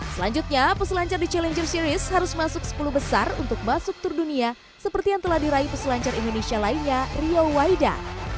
selanjutnya peselancar di challenger series harus masuk sepuluh besar untuk masuk tour dunia seperti yang telah diraih peselancar indonesia lainnya rio waida